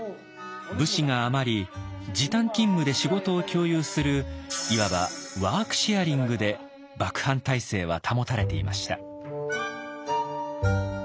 武士が余り時短勤務で仕事を共有するいわば「ワーク・シェアリング」で幕藩体制は保たれていました。